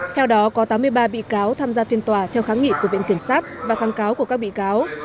theo đó có tám mươi ba bị cáo tham gia phiên tòa theo kháng nghị của viện kiểm sát và kháng cáo của các bị cáo